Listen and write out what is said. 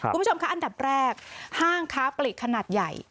คุณผู้ชมคะอันดับแรกห้างค้าปลีกขนาดใหญ่